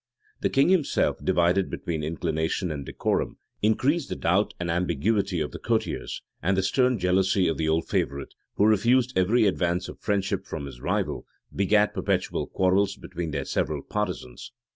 The king himself, divided between inclination and decorum, increased the doubt and ambiguity of the courtiers; and the stern jealousy of the old favorite, who refused every advance of friendship from his rival, begat perpetual quarrels between their several partisans.